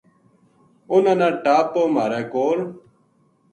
اِنھاں نا ٹاپ پو مھارے کول